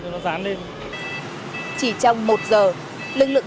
chỉ trong một giờ lực lượng cảnh sát giao thông đã đưa ra một bộ thông tin